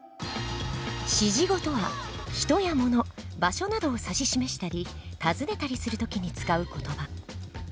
指示語とは人や物場所などを指し示したり尋ねたりする時に使う言葉。